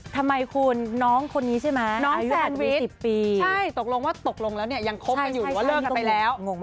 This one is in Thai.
ทำไมคุณน้องคนนี้ใช่มั้ยอายุแสนวิทย์๑๐ปีใช่ตกลงว่าตกลงแล้วยังคบกันอยู่หรือเลิกไปแล้ว